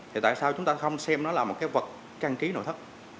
thì tại sao chúng ta không xem nó là một cái vật trang trí nội thất